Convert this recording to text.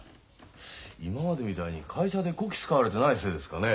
今までみたいに会社でこき使われてないせいですかね。